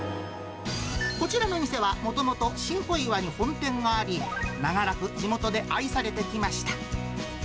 こちらの店はもともと、新小岩に本店があり、長らく地元で愛されてきました。